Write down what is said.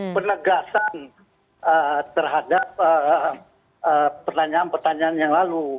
penegasan terhadap pertanyaan pertanyaan yang lalu